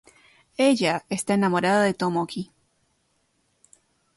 Ella está enamorada de Tomoki.